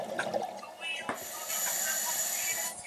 Se encuentra en Estados Unidos, Canadá y Rusia.